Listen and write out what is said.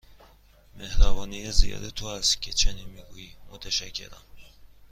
مهربانی زیاد تو است که چنین می گویی، متشکرم.